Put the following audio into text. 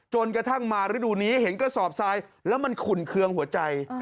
จนกระทั่งมาฤดูนี้เห็นกระสอบทรายแล้วมันขุ่นเครื่องหัวใจ